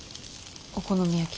お好み焼き。